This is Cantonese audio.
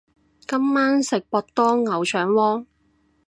今晚食博多牛腸鍋